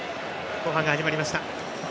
後半が始まりました。